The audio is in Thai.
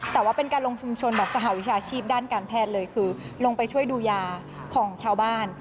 แต่ว่าเป็นการลงชุมชนแบบสหวิชาชีพด้านการแพทย์เลยคือลงไปช่วยดูยาของชาวบ้าน